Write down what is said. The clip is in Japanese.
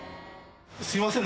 すみません